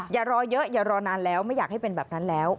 อย่ารอเยอะอย่ารอนานแล้วไม่อยากให้เป็นแบบนั้นแล้ว